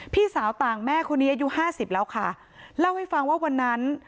พี่สาวต่างแม่คนนี้อายุห้าสิบแล้วค่ะเล่าให้ฟังว่าวันนั้น